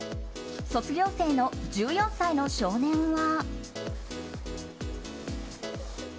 卒業生の１４歳の少年は。